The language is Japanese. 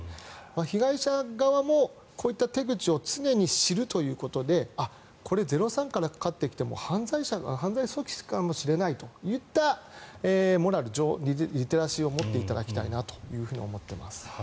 被害者側もこういった手口を常に知るということであっ、これ「０３」からかかってきても犯罪組織かもしれないといったモラル、リテラシーを持っていただきたいなと思っています。